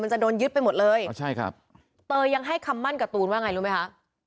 จะโดนยึดไปหมดเลยอ๋อใช่ครับเตยยังให้คำมั่นกับตูนว่าไงรู้ไหมคะ